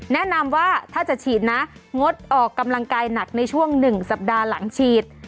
แนะนำว่าถ้าจะฉีดนะงดออกกำลังกายหนักในช่วง๑สัปดาห์หลังฉีด